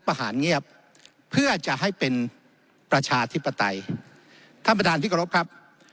ประหารเงียบเพื่อจะให้เป็นประชาธิปไตยท่านประธานที่กรบครับ